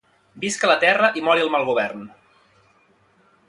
Visca la terra i mori el mal govern!